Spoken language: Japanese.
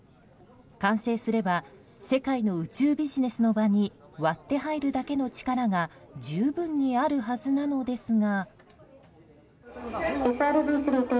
完成すれば世界の宇宙ビジネスの場に割って入るだけの力が十分にあるはずなのですが。